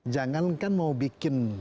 jangan kan mau bikin